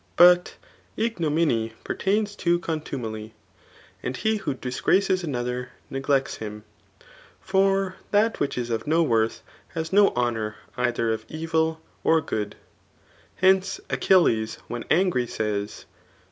But ignominy pertains to con* Qitn^y; and he vho disgraces 'another neglects him. For> that n^hich is of no worth, has no honour either pf evil or good« Hence, Achilles ^Mben angry says.